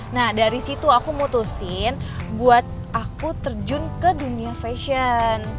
nah dari situ aku mutusin buat aku terjun ke dunia fashion